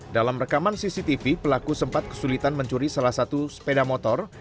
dalam rekaman cctv pelaku sempat kesulitan mencuri salah satu sepeda motor